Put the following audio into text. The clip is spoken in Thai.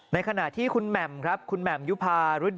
ในขณะที่คุณแหม่มครับคุณแหม่มยุภา